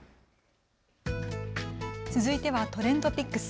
続いてはＴｒｅｎｄＰｉｃｋｓ。